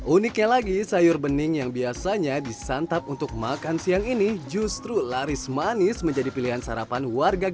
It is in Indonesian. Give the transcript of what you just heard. uniknya lagi sayur bening yang biasanya disantap untuk makan siang ini justru laris manis menjadi pilihan sarapan warga jakarta